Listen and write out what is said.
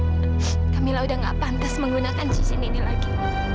kak fadil kamilah sudah tidak pantas menggunakan susun ini lagi